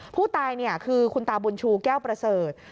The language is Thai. ผู้ตายคือคุณตาบุญชูแก้วประเสริฐ